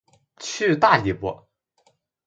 去大理不